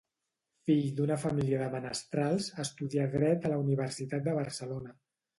Fill d'una família de menestrals, estudià Dret a la Universitat de Barcelona.